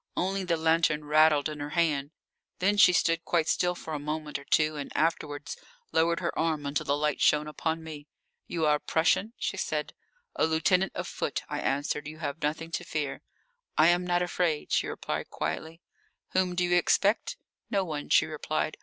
Only the lantern rattled in her hand. Then she stood quite still for a moment or two, and afterwards lowered her arm until the light shone upon me. "You are Prussian?" she said. "A lieutenant of foot," I answered. "You have nothing to fear." "I am not afraid," she replied quietly. "Whom do you expect?" "No one," she replied.